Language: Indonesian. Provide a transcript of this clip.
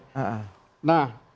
masukan yang baik